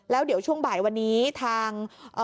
แล้วเดี๋ยวช่วงบ่ายวันนี้ทาง